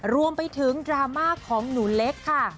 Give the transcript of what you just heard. รวมไปถึงดราม่าของหนูเล็กค่ะ